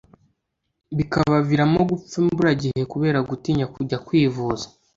bikabaviramo gupfa imburagihe kubera gutinya kujya kwivuza